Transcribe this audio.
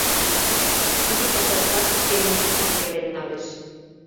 Тудо пашашкат шке музыкшым пелен налеш.